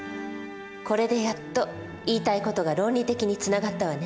これでやっと言いたい事が論理的につながったわね。